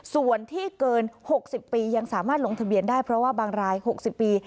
ส่วนที่เกิน๖๐ปียังสามารถลงทะเบียนได้เพราะว่าบางราย๖๐ปี